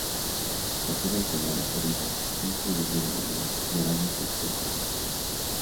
Nacida en Kendall, Florida, un suburbio de Miami, Morales es de ascendencia cubana.